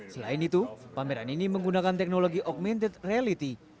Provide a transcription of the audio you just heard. selain itu pameran ini menggunakan teknologi augmented reality